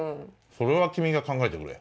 それは君が考えてくれ。